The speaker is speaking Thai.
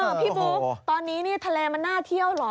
พี่บุ๊คตอนนี้ทะเลมันน่าเที่ยวเหรอ